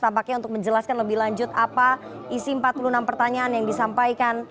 tampaknya untuk menjelaskan lebih lanjut apa isi empat puluh enam pertanyaan yang disampaikan